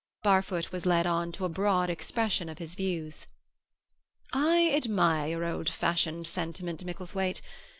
Barfoot was led on to a broad expression of his views. "I admire your old fashioned sentiment, Micklethwaite.